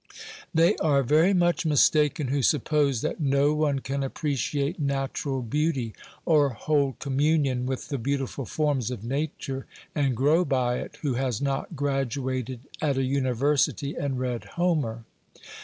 They are very much mistaken who suppose that no one can appreciate natural beauty, or hold communion with the beautiful forms of nature, and grow by it, who has not graduated at a university and read Homer.